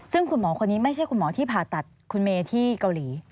ซึ่งคุณหมอคนนี้ไม่ใช่คุณหมอที่ผ่าตัดคุณเมย์ที่เกาหลี